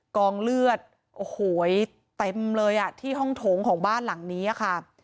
กองเลือดโอ้โหเต็มเลยอ่ะที่ห้องโถงของบ้านหลังนี้ค่ะ